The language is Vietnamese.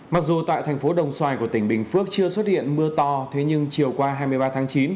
mặc dù tại thành phố đồng xoài của tỉnh bình phước chưa xuất hiện mưa to thế nhưng chiều qua hai mươi ba tháng chín